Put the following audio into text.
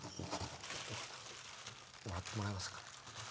もらってもらえますかね？